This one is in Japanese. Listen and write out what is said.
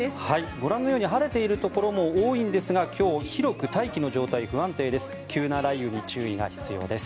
ご覧のように晴れているところも多いんですが今日、広く大気の状態不安定です。